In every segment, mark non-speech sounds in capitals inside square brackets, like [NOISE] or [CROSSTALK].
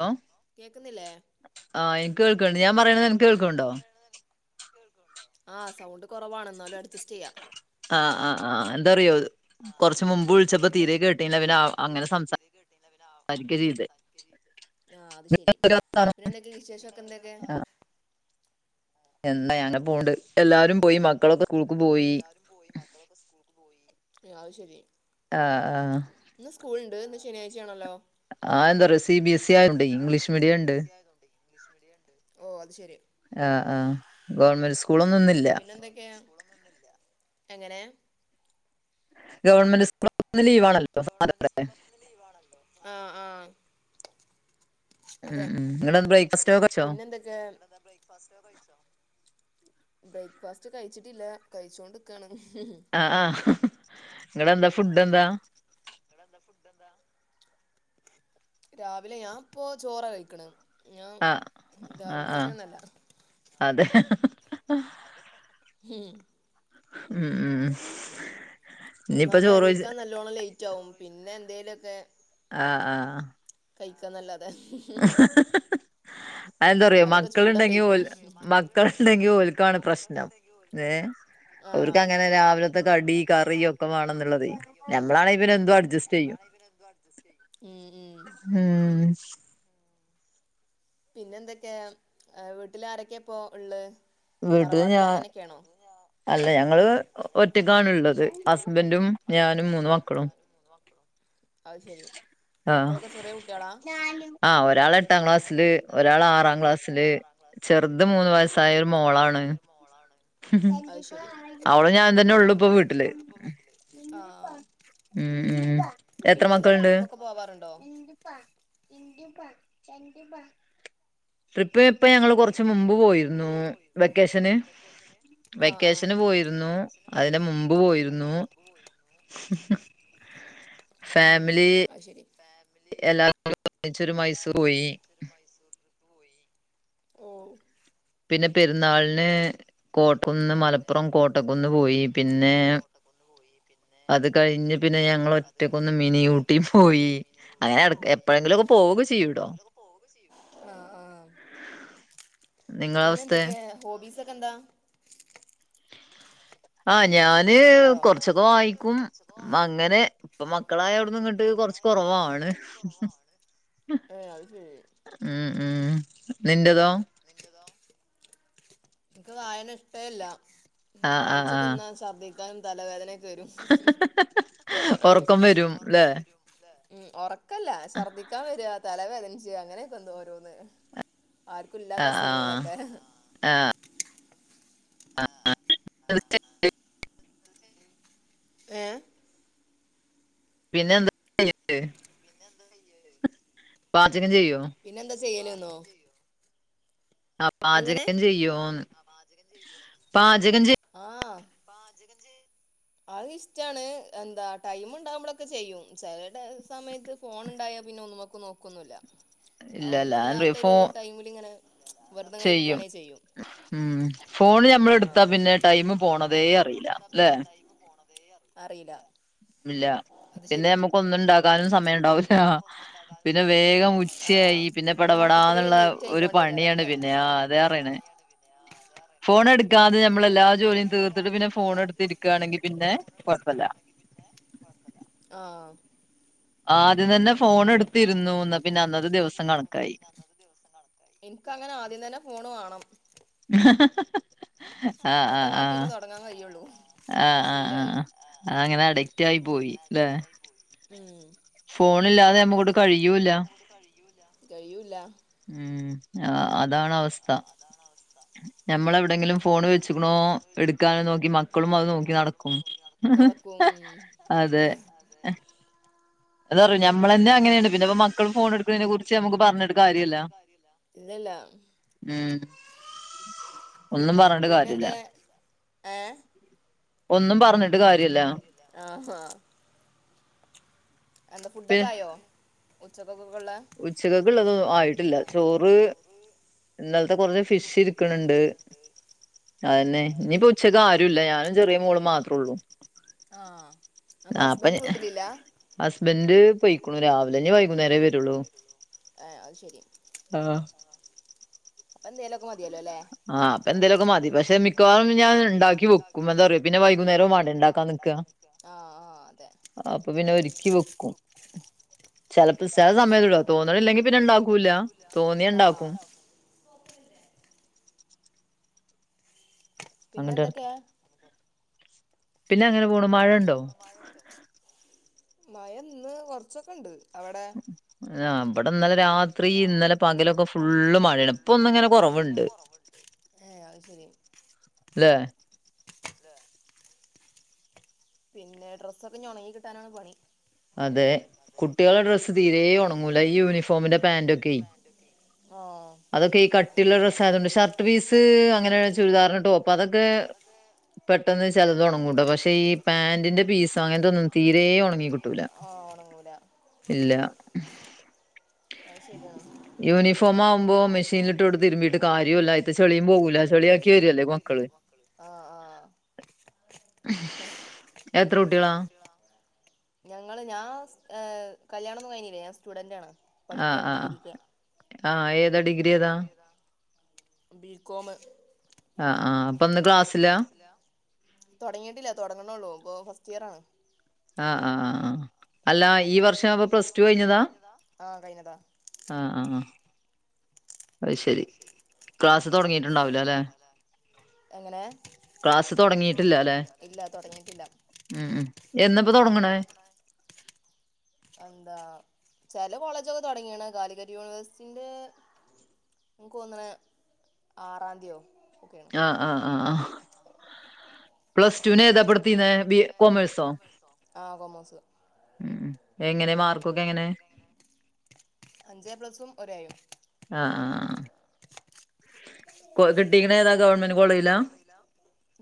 ലൊ കേക്കുന്നില്ലേ? ആഹ് എനിക്ക് കേൾക്ക്ണ്ട് ഞാൻ പറയ്ണന്നത് അനക്ക് കേൾക്ക്ണ്ടോ? ആഹ് സൗണ്ട് കുറവാണെന്നാലും അഡ്ജസ്റ്റ് ചെയ്യാം. ആഹ് ആഹ് ആഹ് എന്താറിയോ ആഹ് കൊറച്ച് ആഹ് മുമ്പ് ആഹ് വിളിച്ചപ്പോ തീരെ കേട്ടില്ല പിന്നെ എന്തറിയോകുറച്ച് ആ- മുമ്പ് അങ്ങനെ വിളിച്ചപ്പോ തീരെ കേട്ടില്ല അവ സംസാരിക്ക അങ്ങനെ ചെയ്ത് സംസാരിക്കെന്ന്. ആഹ് അത് ശെരി പിന്നെ എന്തൊക്കെയ വിശേഷംഒക്കെ എന്തൊക്കെ? ആഹ് എന്താ അങ്ങനെ പോണ്ട് എല്ലാരും പോയി മക്കളൊക്കെ സ്കൂൾക്ക് പോയി. പോയി മക്കളൊക്കെ സ്കൂൾക്ക് പോയി. അത് ശരി. ആഹ് ആഹ്. ഇന്ന് സ്കൂളുണ്ട്ഇന്ന്ശനിയാഴ്ചയാണല്ലോ? ആഹ് എന്താ അറിയാ സി ബി എസ് ഇി ആയോണ്ടെ ഇംഗ്ലീഷ് മീഡിയം ഉണ്ട്. ഇംഗ്ലീഷ് മീഡിയണ്ട് ഓ അത് ശരി. ആഹ് ആഹ് ഗവൺമെന്റ് സ്കൂളൊന്നും ഇന്നില്ല. പിന്നെ എന്തൊക്കെയാ. എങ്ങനെ. ഗവൺമെന്റ് സ്കൂള് ഒക്കെ ഇന്ന് ലീവാണ്. ഗവൺമെന്റ് സ്കൂള് ഒക്കെ ലീവാണല്ലോ ആഹ് ആഹ്. ഉം ഉം ഇങ്ങൾ ബ്രേക്ക്ഫാസ്റ്റ്ഒക്കെ കഴിച്ചോ? ക്കെൽ ബ്രേക്ക്ഫാസ്റ്റ് ഒക്കെ കഴിച്ചോ? ബ്രേക്ക്ഫാസ്റ്റ് കയിച്ചിട്ടില്ല കയിച്ചോണ്ട്ക്കാണ്. അഹ്ആഹ് ഇങ്ങളെ എന്താ ഫുഡ് എന്താ ഇങ്ങടെ എന്താ ഫുഡ് എന്താ രാവിലെ ഞാൻ പ്പൊ ചോറി കഴിക്കണ്. ഞാൻ ആഹ് അഹ്ആഹ് രാവിലക്കത്തെയൊന്നല്ല അതെ അതെ ഹും. ഉം ഉം ഇനിയിപ്പ ഒന്നാമത് ചോറ് വെച്ച് എണീക്കാൻ നല്ലോണം ലേറ്റ് ആവും പിന്നെ എന്തേലൊക്കെ? ആഹ് ആഹ് കയിക്കാന്നല്ലാതെ [UNINTELLIGIBLE] അതെന്താറിയോ അതൊക്കെ മക്കള്ണ്ടെങ്കി ചൂടറിയിക്കും ഓൽ മക്കള്ണ്ടെങ്കി ഓൽക്കാണ് പ്രശ്നം ഏഹ് ആഹ് ഓര്ക്കങ്ങനെ രാവിലത്തെ കടി കറി ഒക്കെ വാണംന്നുള്ളതെയ് ഞമ്മളാണെങ്കി പിന്നെ എന്തും അഡ്ജസ്റ്റെയ്യും ബഡ്ജസ്റ്റയ് ഉം ഉം ഉം.... പിന്നെന്തൊക്കെ ആ വീട്ടില് ആരൊക്കെ പ്പോ ഇളള് വീട്ടില് ഞാ തറവാട്ടില് അങ്ങനെയൊക്കെയാണോ? അല്ല ഞങ്ങള് ഒറ്റക്കാണ്ള്ളത് ഹസ്ബന്റും ഞാനും മൂന്ന് മക്കളും. അത് ശരി മക്കളൊക്കെ ചെറിയ കുട്ടികളാ ആഹ് ഒരാളെട്ടാം ക്ലാസില് ഒരാള് ആറാം ക്ലാസ്സില് ചെർത് മൂന്ന് വയസായ ഒരു മോളാണ് മോളാണ് അവളും ഞാനും തന്നെ ഒള്ളു ഇപ്പൊ വീട്ടില്. ആഹ് ഉം ഉം എത്ര പിന്നെന്താ മക്കൾണ്ട്? ട്രിപ്പൊക്കെ പോവാറുണ്ടോ ട്രിപ്പ് ഇപ്പ ഞങ്ങള് കൊറച്ച് മുമ്പ് പോയിരുന്നു വെക്കേഷന് ആഹ് ആഹ് വെക്കേഷന് പോയിരുന്നു അതിനെ മുമ്പ് പോയിരുന്നു. ഉം ഫാമിലി അത് ശരി. എല്ലാരും [UNINTELLIGIBLE] ഒര്മിച്ച് മൈസൂർ പോയി. മൈസൂർ പൊയി ഓ. പിന്നെ പെര്ന്നാളിന് പിന്നെ പെര്ന്നാളിന് പോയി കോട്ടക്കുന്ന് പിന്നെ മലപ്പുറം കോട്ടക്കുന്ന് പോയി പിൻ അത് കഴിഞ്ഞ് പിന്നെ ഞങ്ങളൊറ്റക്കൊന്ന് മിനി ഊട്ടി പോയി അങ്ങനെടക്ക് എപ്പ പ്പഴെങ്കിലൊക്കെ പോവു ഒക്കെ ചെയ്യൂട്ടോ ആഹ് ആഹ് നിങ്ങളെ പിന്നെ അവസ്ഥെ എന്തൊക്കെയ ഹോബീസ് ഒക്കെ എന്താ? ആഹ് ഞാൻ ഹലോ [UNINTELLIGIBLE] കൊറച്ചൊക്കെ വായിക്കും അങ്ങനെ ഇപ്പ മക്കളായ അവിടന്ന് ഇങ്ങട്ട് കൊറച്ച് കൊറവവാണ്. [UNINTELLIGIBLE] ഏഹ് അത് ശരി ഉം ഉം നിൻ്റെതോ? നിന്റതോ ഇൻക്ക് വായന ഇഷ്ടേല്ല. ആഹ് ആഹ് വായിച്ച ആഹ് തിന്നാ ഛർദ്ദിക്കാനും തലവേദനൊക്കെ വെരും. [UNINTELLIGIBLE] [UNINTELLIGIBLE] ഉറക്കം വരും ല്ലേ ഒറക്കം വെരും. ഉം ഉറക്കല്ല ഛർദ്ദിക്കാൻ വരുവാ തലവേദനച്ച് അങ്ങനെയൊക്കെ ൻഡ് ഓരോന്ന് ആർക്കുല അഹ്ആഹ് ആഹ് [UNINTELLIGIBLE] ഏഹ് പിന്നെ എന്താ [UNINTELLIGIBLE] പിന്നെ എന്താ ചെയ്യല്? പാചകം ചെയ്യുവോ പിന്നെ എന്താ ചെയ്യല്ന്നോ. ആഹാ എങ്ങനെ പാചകം ചെയ്യോന്ന്, പാചകം ചെയോ, ആഹ് പാചകം ചെ അത് ഇഷ്ടാണ് എന്താ ടൈം ഉണ്ടാവകുമ്പോഴൊക്കെ ചെയ്യും ചെല സമയ ത്ത് ഫോൺ ഉണ്ടായ പിന്നെ ഒന്നും നോക്കുല്ല ഇല്ലല്ല ഒന്നും അ ഇല്ലാത്തരു ഫോ ടൈമിലിങ്ങനെ വെറതെങ്ങന ഇരിക്കുകയാണേ ചെയ്യും ഉം ഫോണ് നമ്മള് ആ എടുത്താ പിന്നെ, ടൈം പോണതേ അറിയിലാല്ലേ. അറിയില്ല ഇല്ല അത് പിന്നെ ശരിയാ നമ്മുക്ക് ഒന്നും ഉണ്ടാക്കാനും സമയം ഉണ്ടാവല പിന്നെ പിന്നെ വേഗം ഉച്ചയായി പിന്നെ മൊത്തത്തില് പടപടാന്നുള്ള ലേറ്റ് ഒരു പണിയാണ് ആയിക്കൊണ്ടേക്കാരൊക്കെ പിന്നെ ആ അതറയണേ ഫോൺ എടുക്കാതെ ഉം നമ്മളെല്ലാ അതെ ജോലിയും തീർത്തിട്ട് പിന്നെ ഫോൺ എടുത്തിരിക്കുകയാണെങ്കിൽ പിന്നെ കുഴപ്പല്ല. ആഹ് ആദ്യം തന്നെ ഫോൺ എടുത്തിരുന്നുന്ന് പിന്നെ അന്നത്തെ ദിവസം കണക്കായി അന്നത്തെ ദിവസം കണക്കാണ്. എനിക്ക് അങ്ങനെ ആദ്യം തന്നെ ഫോണ് വേണം ആഹ് എന്നിട്ട് ആഹ് ബാക്കിയൊക്കെ ആഹ് തുടങ്ങാൻ കഴിയുള്ളൂ ആഹ് അത് ശീലായി ആഹ് ആഹ് അങ്ങനെ അഡിക്റ്റ് ആയി പോയി അല്ലേ ഉം ഫോണ് ഇല്ലാതെ നമ്മക്കങ്ങോട്ട് കഴിയൂല്ല കഴിയൂല കഴിയൂല. ഉം അതാണ് അവസ്ഥ അവസ്ഥ ഞമ്മളെവിടെങ്കിലും ഫോണ് വെച്ചക്കണോ എടുക്കാനും നോക്കി മക്കളും അത് നോക്കി നടക്കും നടക്കും ഉം [INAUDIBLE] അതെ അതറിയോ ഉം ഞമ്മളന്നെ നമ്മളെന്നെ അങ്ങനെയാണ് പിന്നെപ്പ അങ്ങനാണ് മക്കള് പിന്നെ ഫോൺ മക്കൾ എടുക്കുന്നതിനെ ഫോൺ കുറിച്ച് നമുക്ക് എടുക്കുന്നതിനെ കുറിച്ച് പറഞ്ഞിട്ട് നമ്മൾ കാര്യല്ല പറഞ്ഞിട്ട് കാര്യല്ല ഇല്ലല്ലോ ഉം ഒന്നും പറഞ്ഞട്ട് കാര്യല്ല. പിന്നെന്തേ ഏഹ് ഒന്നും പറഞ്ഞിട്ട് കാര്യല്ല ആഹാ എന്താ പി ഫുഡൊക്കെ ആയോ? ഉച്ചക്കൊക്കള്ള ഉച്ചക്കുള്ളത് ആയിട്ടില്ല ചോറ് ഇന്ന കുറച്ച് ഫിഷ് ഇരിക്കാണ്ട്. അതെന്നെ ഇനിയിപ്പോ ഉച്ചക്ക് ആരുംല്ല ഞാനും ചെറിയ മോളും മാത്രേ ള്ളു ആഹ് അപ്പോ ഹസ്ബൻഡ് വീട്ടിലില്ലാ ഹസ്ബൻഡ് പോയിക് ണു രാവിലെഞ് വൈകുന്നേരം വരുള്ളൂ ആഹ് അത് ശരി ആഹാ.. ! അപ്പോ എന്തേലോക്കെ മതിയല്ലോ അല്ലേ? ആഹ്പ്പൊ എന്തേലൊക്കെ മ തി പക്ഷെ മിക്കവാറുംഞാൻ ഉണ്ടാക്കിവെക്കും അ തറിയോ പിന്നെ വൈകുന്നേരൊ വേണ്ടേ ഉണ്ടാക്കാൻ ആഹ് ആഹ അതെ അപ്പൊ പിന്നെ ഒരുക്കി വെക്കും ചെലപ്പോ ചെല ചിലപ്പ സമയത്ത്ട്ടോ സമയല്ലട തോന്നണില്ലെങ്കി തോന്നില്ലെങ്കി പിന്നെ ഇണ്ടാക്കൂല്ല ഇണ്ടാക്കൂല തോന്നിയ ഇണ്ടാക്കും ഇപ്പൊ ഓക്കേ അല്ലെ അങ്ങട്ട് കെടക്കും പിന്നെന്തൊക്കെയാണ്. പിന്നെ എങ്ങനെ പോണ് മഴ ഉണ്ടോ മഴ ഇന്ന് കൊറച്ചൊക്കെ ഉണ്ട് അവിടെ ആം ആഹ് ഇവിടെ ഇന്നലെ രാത്രി ഇന്നലെ ഫുള്ള് പകലൊക്കെ മഴയാണ് ഇപ്പൊ ഫുള്ള് മഴ ഒന്നിങ്ങനെ ഇപ്പൊ ഒന്ന് ഇങ്ങനെ കൊറവുണ്ട് കൊറവുണ്ട് ഏഹ് അത് ശരി ല്ലേ തേ... പിന്നെ, ഡ്രസ്സൊക്ക ഞ്ഞി ഒണങ്ങി കിട്ടാനാണ് പണി. അതെ കുട്ടികളുടെ ഡ്രസ്സ് തീരേ ഒ ണങ്ങൂല ഈ യൂണിഫോമിന്റെ പാന്റൊ ക്കെ തെ ത്തീ... അതൊക്കെ ഈ കട്ടി ള്ള ഡ്രസ്സാ യതൊണ്ട് ഷർട്ട് പീസ് അങ്ങനെ ചുരിദാറിന് ടോപ്പ് അതൊക്കെ പെട്ടെന്ന് ചിലത് ഉണങ്ങൂട്ടോ പക്ഷെ ഈ പാന്റിന്റെ പീസായോണ്ട് തീരെ ഒ ണങ്ങികി പറ്റൂ ല ആഹ് ഒണങ്ങൂല ഇല്ല അത്ശെ രിയാ യൂണിഫോം ആവുമ്പോ മെഷീനിലിട്ട് കൊടുത്ത് തിരുമ്പീട്ട് മെഷീനിട്ടോട് കാര്യവുല്ല. അയ്ത്തെ ചെളിയും രുമ്പീട്ട്ക പോകൂല. ചെളിയ പോകല ചെളിയാക്കി ചെളിയ ആക്കി വരല്ലേ മക്കള് ആഹ് ആഹ് എത്ര പില്ല കുട്ടികളാ? എത്രൂട്ടി കള ഞങ്ങള്ഞാൻ്കല്യാണന്നും കഴഞ്ഞില്ല ഞാൻ സ്റ്റുഡന്റ് ആണ് ആഹ് പഠിക്കാണ് ആഹ് ഡിഗ്രിക്ക് ആഹ ഏതാ ഡിഗ്രി ഏതാ ബീകോ മ് ആ ആ് അപ്പൊ ഇ ന്ന് ക്ലാസ്സില തൊ ടങ്ങിയിട്ടില്ല തുടങ്ങണള്ളൂ ഇപ്പൊ ഫസ്റ്റ് ഇയർആ ണ് ആഹ് ആഹ ആ് അല്ല ഈ വർഷം അപ്പ പ്ലസ് ടു കഴിഞ്ഞതാ ആഹ് കഴിഞ്ഞതാ ആഹ ആഹ് ആഹ് അത് ശരി. ക്ലാസ് തൊടങ്ങിയിട്ടുണ്ടാവൂല ല്ലെ? എങ്ങനെ ക്ലാസ് തൊടങ്ങിയിട്ടില്ല ല്ലെ? തൊടങ്ങിട്ടില്ല. ഇല്ല തൊടങ്ങിട്ടില്ല, ഉം ഉം എന്നപ്പ തൊടങ്ങണേ? തൊടങ്ങണ? എന്താ ചെല കോളേജ തുടങ്ങിയാണ് കാലിക്കറ്റ് യൂണിവേഴ്സിന്റെ നിക്കൊന്നണ്ആറാംന്തി യൊ ആഹ ആഹ ആഹ് ആഹ പ്ലസ്റ്റുന് ഏതാ പ്പ നെടുത്തിന് ബി കോമർസോ ആ കൊമേഴ്സ് ഉ എങ്ങനെ മാർക്കൊക്കെ എങ്ങനെ അഞ്ചേ പ്ലസും ഒരേയും ആഹ ആ് കിട്ടിക്കു ന്ന ഏതാ ഗവൺമെന്റ് കോളേജിലാ ല്ല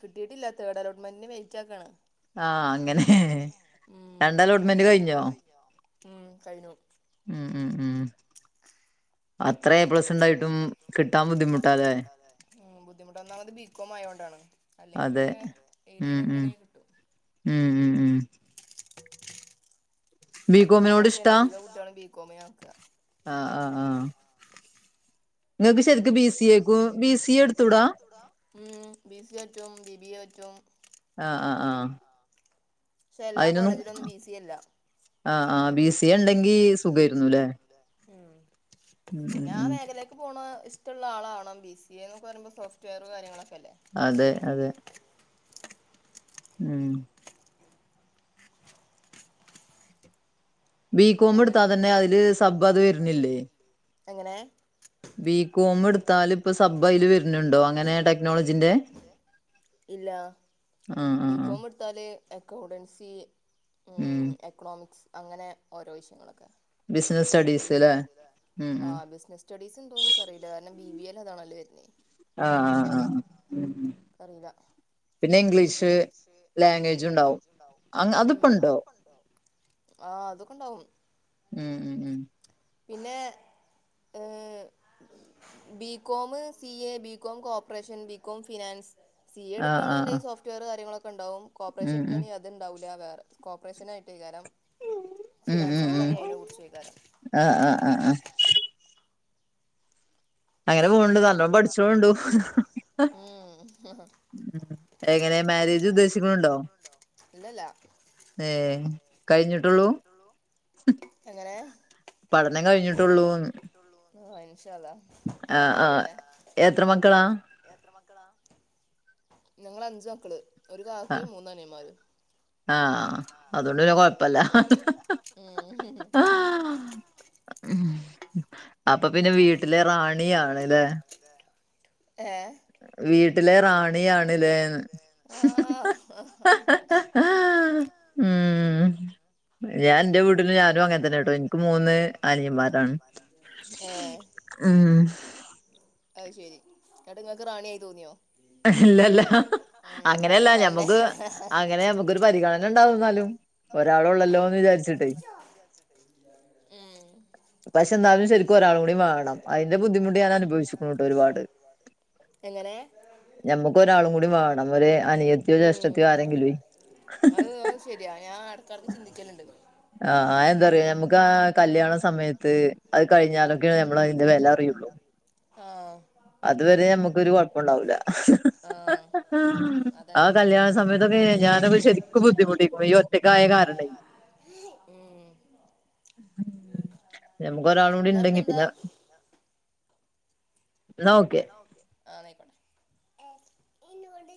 കിട്ടിട്ടില്ല തേർഡ് അലോട്ട്മെന്റിന് വെയിറ്റാ ക്കാണ് ആഹ് അങ്ങനെ ആ രണ്ട് അലോട്ട്മെന്റ് കഴിഞ്ഞോ അ കഴിഞ്ഞു ഉം ഉം ഉം അത്ര എ പ്ലസ്സ് ണ്ടായിട്ടും കിട്ടാൻ ബദ്ധിമുട്ടാ ല്ലെ ബുദ്ധിമുട്ടത് ഒന്നാമത് ബികോം ആയൊണ്ടാണ് അതെ അല്ലെങ്കിലൊക്കെ ഉം ഏലയിലൊക്കെ ഉം ആ ണെങ്കി കിട്ടും ഉം ഉം ഉം ബികോമിനോട് കോമഴ്സിലെ അധികം കുട്ട്യാളും ബി കോമിനാ ഏർക്കുവാ ആഹ ആഹ് ആഹ് നിങ്ങൾക്ക് മം മ് ശരിക്കും ബി സി എക്കും ബി സി എ എടുത്തൂടാ ബിസിഎ പറ്റും ബി ബി എ പറ്റും ആഹ ആഹ് ആഹ പക്ഷെ എല്ലാ കോളേജിലൊന്നും ബി സി എ ഇല്ല. ആഹ് സി ആഹ് എ ബി സിഎ ഉണ്ടെങ്കി ഇണ്ടങ്കി സുഖായിരുന്നുല്ലേ സുഗേർന്നുലേ ഉം ഉം പിന്നെ ആ ഉം മേഖല പോണ ഇഷ്ടള്ള ആളാവണം ബി സിഎ ന്ന്ക്കെ പറിമ്പോൾ സോഫ്റ്റ്‌വെയർ കാര്യങ്ങളൊക്കെ അല്ലേ. അതെ അതെ ഉം... ബീ അപ്പൊ കോം എടുത്താ അങ്ങനെയൊക്കെ തന്നെ അതില് സബ് അത് വരുണി ല്ലേ എങ്ങനെ ബികോം എടുത്താൽ ഇപ്പൊ സബ്ബയിൽ വരുന്നുണ്ടോ അങ്ങനെ ടെക്നോളജീന്റെ ഇല്ല ആ ആ ആ ബിക്കോമെട് ത്താൽ അക്കൗണ്ടൻസി ഉം എക്കണോമിക്സ് അങ്ങനെ ഓരോ വിഷയങ്ങളൊക്കെ ബിസിനസ് സ്റ്റഡീസ് ല്ലേ ഉം ആ ഉം ബിസ് നസ് സ്റ്റഡീസ് ഉണ്ടോന്ന് നിക്കറില്ല കാരണം ബി ബി എൽ അതാണല്ലോ വരുന്നെ ആഹ് ആഹ് ആഹ് ഉ അറീല്ല. പിന്നെ ഇംഗ്ലീഷ് ലാംഗ്വേജ് ഇണ്ടാവും അങ്ങ് അതിപ്പോ അ ഉണ്ടോ അതിപ്പണ്ടോ? ആ അതൊക്കെണ്ടാവും ഉം ഉം ഉം പിന്നെ ഹ് BCom C A, BCom cooperation, BCom finance C A ആ ആ ആ എട്ക്കാണ്ന്ന്ണ്ടെങ്കി സോഫ്റ്റ്‌വെയർ കാര്യങ്ങളൊക്കെണ്ടാവും കോപ്പ്റേഷൻ ഉം ഉം എട്ക്കാണീ അ അത്ണ്ടാവൂല വേറെ കോപ്പ്റേഷനായിട്ടേകാരം, ഫിനാൻസ് ഇട്ക്കാണെങ്കിൽ അയിനെ കുറിചെയ്കാരം. ആഹ് ആഹ് ആഹ് ആഹ് അങ്ങനെ പോക്ണ്ട് നല്ലോം പഠിച്ചോണ്ടു. ഉം എങ്ങനെ മേരേജ് ഉദ്ദേശിക്കുണുണ്ടോ? ഇല്ലല്ല ഏ കഴിഞ്ഞിട്ടൊള്ളൂ എങ്ങനേ പഠനം കഴിഞ്ഞിട്ടൊള്ളൂന്ന് ട്ടൊള്ളു ആഹ് ആഹ് ഇൻഷാള്ളാ പഠനം ആ കഴിയട്ടെ അ എത്ര ആഹ് മക്കളാ എത്ര മക്കളാ ഞങ്ങള് അഞ്ച് മക്കള് ഒരു ആ കാക്കിം മൂന്നനിയമ്മാരും. ആ ആഹ് അതുകൊണ്ട് പിന്നെ അതോണ്ട് പിന്നെ കൊഴപ്പല്ല ഉം ഹും ഹും കൊഴപ്പല്ല അപ്പൊ പിന്നെ വീട്ടിലെ റാണിയാണ്ല്ലേ ഏ വീട്ടിലെ റാണിയാണ്ലേന്ന് ആ ഉം ഞാൻ ഇന്റെ വീട്ടില് ഞാനും അങ്ങനെ തന്നെട്ടോ എനിക്ക് മൂന്ന് അനിയന്മാരാണ്. ഉം അഹ് ശെരി ഇങ്ങട്ട് ഇങ്ങക്ക് റാണിയായി തോന്നിയോ? ഇല്ലല്ല ഉം അങ്ങനെയല്ല അതേപോലെന്നെ ഞമ്മക്ക് അങ്ങനെ നമുക്കൊരു നമ്മക്കൊരു പരിഗണന ഉണ്ടാവും എന്നാലും പരിഗണനണ്ടാകും. ഒരാളൊള്ളല്ലോന്ന് ഒരാൾ വിചാരിച്ചിട്ടേ വന്നു ഹുറൂജ അട്ച്ചിട്ട് ഉം പക്ഷെ ന്നാലും ശരിക്ക് ഒരാളും കൂടി വാണം അയിന്റെ ബുദ്ധിമുട്ട് ഞാൻ അനുഭവിച്ചു എങ്ങനെ ഞമ്മക്ക് ഒരാളും ഒപ്പരാളും വേണം കൂടി ഒരു വാണം ഒര് അനിയത്തിയോ [UNINTELLIGIBLE] ഉം ജ്യേഷ്ഠത്തിയോ ആരെങ്കിലുവേ അഹ് അഹ് ശരിയാ ഞാൻ എട്ക്കട്ക്ക് ചിന്തിക്കല്ണ്ട് ആഹ് ആ എന്തറിയോ നമുക്ക് ആ കല്യാണ സമയത്ത് അത് കഴിഞ്ഞാലൊക്കെണ് നമ്മൾ അയ്ന്റെ വെല അറിയൊള്ളു. ആ അതുവരെ നമ്മക്കൊരു കൊ ണ്ടാവൂല. ആ ആ അതന്നെ കല്യാണ സമയത്തൊക്കെ ഞാനൊക്കെ ശരിക്കും ബുദ്ധിമുട്ടി ഉം നമുക്ക് ഒരാളും കൂടി ന്നാ ഉണ്ടെങ്കി പിന്നെന്താ പിന്നെ ന്നാ ഓക്കെ ഒക്കെ ആ ന്നയിക്കോട്ടേ